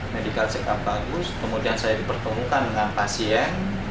medical check up bagus kemudian saya dipertemukan dengan pasien